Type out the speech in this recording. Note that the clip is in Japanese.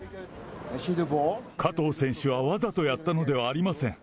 加藤選手はわざとやったのではありません。